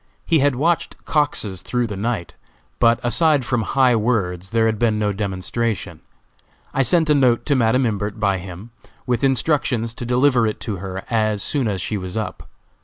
He had watched Cox's through the night, but aside from high words there had been no demonstration. I sent a note to Madam Imbert by him, with instructions to deliver it to her as soon as she was up.